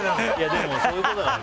でもそういうことだから。